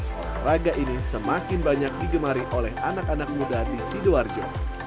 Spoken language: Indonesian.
olahraga ini semakin banyak digemari oleh anak anak muda di sidoarjo